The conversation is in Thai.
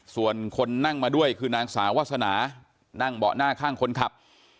ส่วนคนนั่งมาด้วยคือนางสาววาสนานั่งเบาะหน้าข้างคนขับ